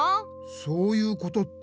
そういうことって？